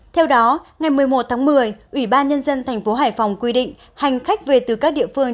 theo đó ngày một mươi một tháng một mươi ủy ban nhân dân tp hải phòng quy định hành khách về từ các địa phương